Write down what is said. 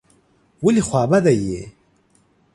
ولي خوابدی یې ؟